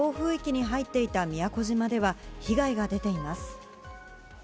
丸一日暴風域に入っていた宮古島では被害が出ています。